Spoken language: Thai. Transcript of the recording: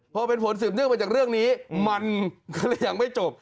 พอเป็นผลสืบเนื่องมาจากเรื่องนี้มันก็เลยยังไม่จบ